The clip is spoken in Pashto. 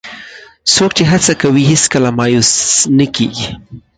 څوک چې هڅه کوي، هیڅکله مایوس نه کېږي.